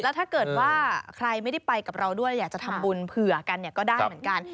ถ้าเกิดว่าใครไม่ได้ไปกับเราด้วยอยากจะทำบุญเผื่อกันเนี่ยก็ได้เหมือนกัน